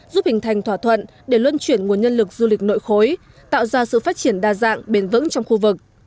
giúp hình thành thỏa thuận để luân chuyển nguồn nhân lực du lịch nội khối tạo ra sự phát triển đa dạng bền vững trong khu vực